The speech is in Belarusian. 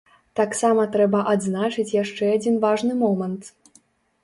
Таксама трэба адзначыць яшчэ адзін важны момант.